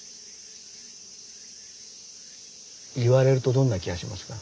言われるとどんな気がしますか？